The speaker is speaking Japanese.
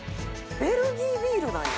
「ベルギービールなんや！